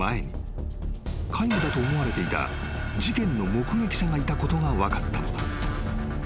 ［皆無だと思われていた事件の目撃者がいたことが分かったのだ］